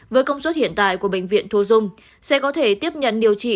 với công suất hiện tại của bệnh viện thu dung sẽ có thể tiếp nhận điều trị